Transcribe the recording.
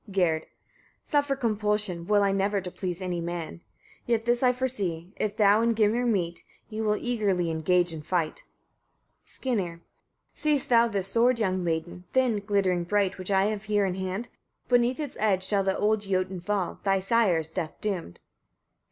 Gerd. 24. Suffer compulsion will I never, to please any man; yet this I foresee, if thou and Gymir meet, ye will eagerly engage in fight. Skirnir. 25. Seest thou this sword, young maiden! thin, glittering bright, which I have here in hand? Beneath its edge shall the old Jotun fall: thy sire is death doomed.